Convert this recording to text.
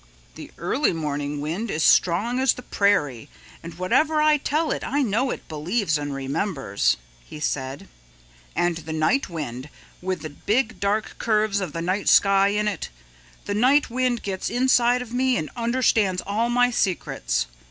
"The early morning wind is strong as the prairie and whatever I tell it I know it believes and remembers," he said, "and the night wind with the big dark curves of the night sky in it, the night wind gets inside of me and understands all my secrets.